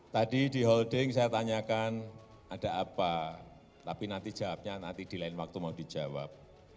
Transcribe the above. tadi di holding saya tanyakan ada apa tapi nanti jawabnya nanti di lain waktu mau dijawab